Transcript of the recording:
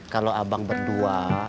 kalau abang berdua